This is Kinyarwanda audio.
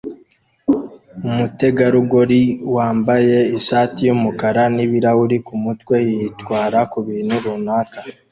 umutegarugori wambaye ishati yumukara nibirahuri kumutwe yitwara kubintu runaka